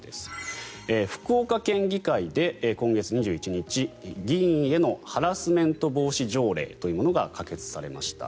福岡県議会で今月２１日議員へのハラスメント防止条例というのが可決されました。